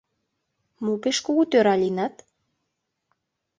— Мо пеш кугу тӧра лийынат?!